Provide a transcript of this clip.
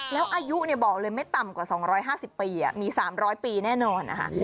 แล้วอายุบอกเลยไม่ต่ำกว่า๒๕๐ปีมี๓๐๐ปีแน่นอนนะคะ